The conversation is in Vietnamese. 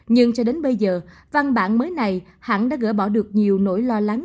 nhưng cho đến bây giờ văn bản mới này hãng đã gỡ bỏ được nhiều nỗi lo lắng